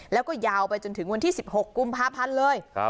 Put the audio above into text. แล้วก็ยาวไปจนถึงวันที่๑๖กุมภาพันธ์เลย